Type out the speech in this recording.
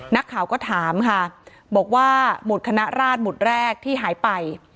นักข่าวก็ถามค่ะบอกว่าหมุดคณะราชหมุดแรกที่หายไป